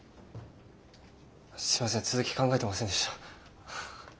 すいません続き考えてませんでした。